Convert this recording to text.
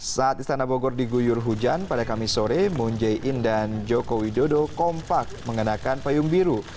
saat istana bogor diguyur hujan pada kamis sore moon jae in dan joko widodo kompak mengenakan payung biru